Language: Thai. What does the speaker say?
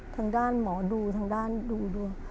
ทางด้านหมอดูทางด้านดูดวง